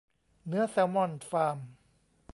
เนื้อแซลมอนฟาร์ม